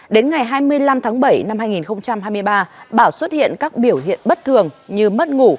đến ngày hai mươi năm tháng bảy năm hai nghìn hai mươi ba bảo xuất hiện các biểu hiện bất thường như mất ngủ